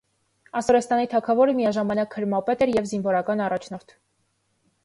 Ասորեստանի թագավորը միաժամանակ քրմապետ էր և զինվորական առաջնորդ։